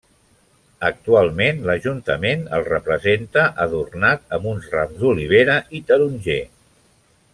Actualment l'Ajuntament el representa adornat amb uns rams d'olivera i taronger.